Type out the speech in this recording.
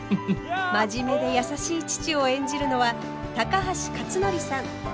真面目で優しい父を演じるのは高橋克典さん。